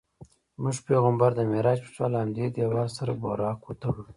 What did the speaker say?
زموږ پیغمبر د معراج په شپه له همدې دیوال سره براق وتړلو.